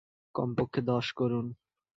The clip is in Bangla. কমপক্ষে দশ করুন।